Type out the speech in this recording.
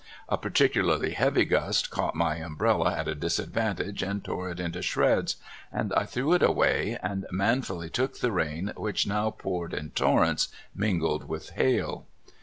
A particularly heavy gust caught my umbrella at a disadvantage and tore it into shreds, and I threw^ it away and manfully took the rain, which now poured in torrents, mingled with hail.